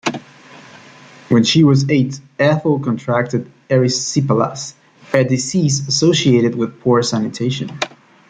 When she was eight, Ethel contracted erysipelas, a disease associated with poor sanitation.